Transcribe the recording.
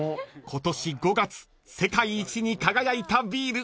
［今年５月世界一に輝いたビール